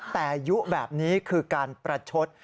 แต่ยุแบบนี้คือการประชด